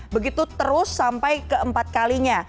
begitu terus sampai ke empat kalinya